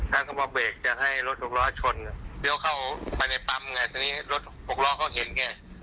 ท่านก็มาเบรกจะให้รถหกล้อชนเลี้ยวเข้าไปในปั๊มไงทีนี้รถหกล้อเขาเห็นไง